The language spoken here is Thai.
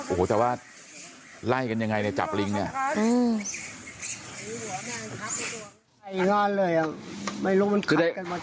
โอ้โหแต่ว่าไล่กันยังไงเนี่ยจับลิงเนี่ย